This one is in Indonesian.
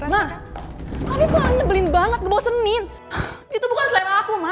ma kamu kok nyebelin banget ngebosenin itu bukan selera aku ma